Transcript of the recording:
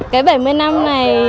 cái bảy mươi năm này